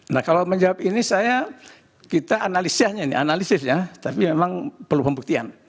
nah kalau menjawab ini saya kita analisiannya analisisnya tapi memang perlu pembuktian